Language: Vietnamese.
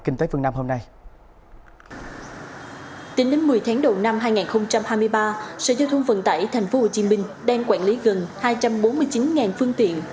tính đến một mươi tháng đầu năm hai nghìn hai mươi ba sở giao thông vận tải tp hcm đang quản lý gần hai trăm bốn mươi chín phương tiện